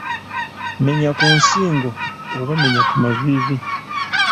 Menya ku nsingo oba menya ku maviivi.